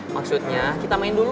maksudnya kita main dulu